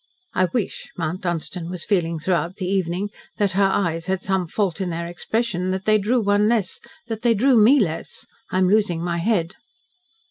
"I wish," Mount Dunstan was feeling throughout the evening, "that her eyes had some fault in their expression that they drew one less that they drew ME less. I am losing my head."